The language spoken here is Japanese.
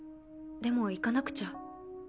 でも行かなくちゃ。